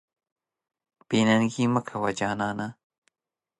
بې ننګي مه کوه جانانه.